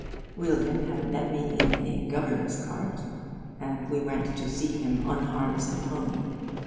William had met me in a 'governess cart,' and we went to see him unharness the pony.